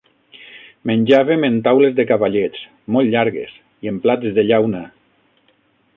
Menjàvem en taules de cavallets, molt llargues, i en plats de llauna